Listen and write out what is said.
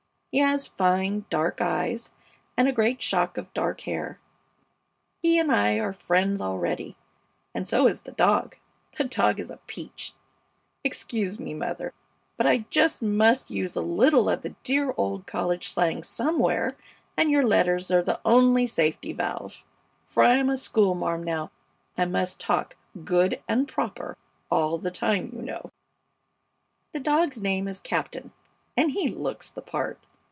He has fine, dark eyes and a great shock of dark hair. He and I are friends already. And so is the dog. The dog is a peach! Excuse me, mother, but I just must use a little of the dear old college slang somewhere, and your letters are the only safety valve, for I'm a schoolmarm now and must talk "good and proper" all the time, you know. The dog's name is Captain, and he looks the part.